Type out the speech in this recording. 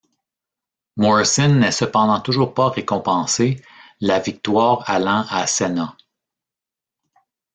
Morrison n'est cependant toujours pas récompensé, la victoire allant à Cena.